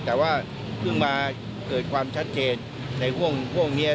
แต่ว่าเพิ่งมาเกิดความชัดเจนในห่วงนี้